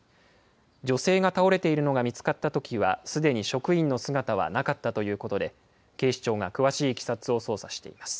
女性が倒れているのが見つかったときはすでに職員の姿はなかったということで、警視庁が詳しいいきさつを捜査しています。